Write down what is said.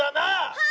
はい！